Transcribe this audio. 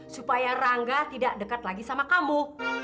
supaya rangga tidak dekat lagi sama kamu